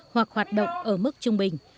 hoặc hoạt động ở mức trung bình